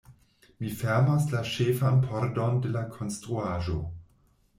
Mi fermas la ĉefan pordon de la konstruaĵo.